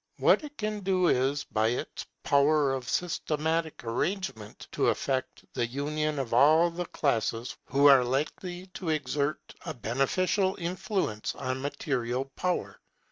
What it can do is by its power of systematic arrangement to effect the union of all the classes who are likely to exert a beneficial influence on material power.